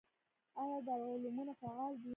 آیا دارالعلومونه فعال دي؟